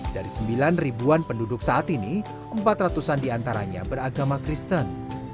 dari sembilan ribuan penduduk saat ini empat ratus an diantaranya beragama kristen